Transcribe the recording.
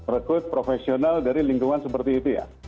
rekrut profesional dari lingkungan seperti itu ya